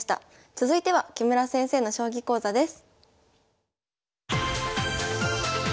続いては木村先生の将棋講座です。